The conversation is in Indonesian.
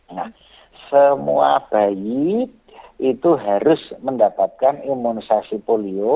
nah semua bayi itu harus mendapatkan imunisasi polio